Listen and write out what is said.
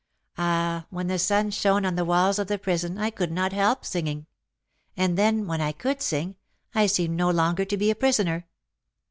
Ah, when the sun shone on the walls of the prison I could not help singing; and then, when I could sing, I seemed no longer to be a prisoner.